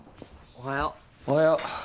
おはよう。